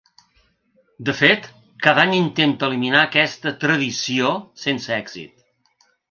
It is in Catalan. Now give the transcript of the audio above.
De fet, cada any intenta eliminar aquesta “tradició” sense èxit.